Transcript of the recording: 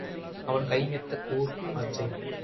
அவன் கை மெத்தக் கூர் ஆச்சே.